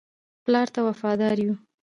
پلار ته وفادار وو.